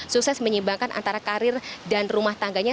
sukses menyeimbangkan antara karir dan rumah tangganya